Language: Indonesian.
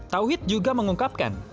tauhid juga mengungkapkan